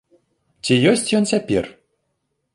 Ці ёсць ён цяпер?